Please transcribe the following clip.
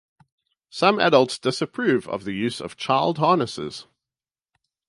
Some adults disapprove of the use of child harnesses.